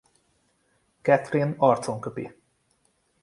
Katherine arcon köpi.